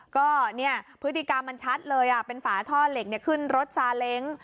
ก็เนี่ยพฤติกรรมมันชัดเลยเป็นฝาท่อเหล็กขึ้นรถซาเล้ง